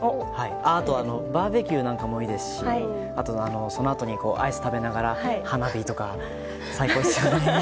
あと、バーベキューなんかもいいですしそのあとにアイス食べながら花火とか最高ですよね。